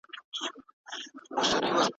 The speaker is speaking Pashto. موږ باید د اوبو د ضایع کيدو مخه ونیسو.